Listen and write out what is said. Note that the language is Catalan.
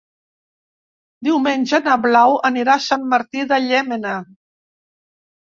Diumenge na Blau anirà a Sant Martí de Llémena.